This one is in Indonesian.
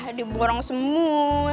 jadi borong semua